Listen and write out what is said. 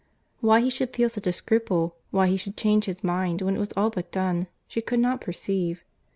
—Why he should feel such a scruple, why he should change his mind when it was all but done, she could not perceive.